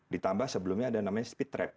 ditambah sebelumnya ada namanya speed trap